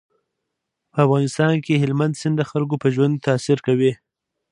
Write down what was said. په افغانستان کې هلمند سیند د خلکو په ژوند تاثیر کوي.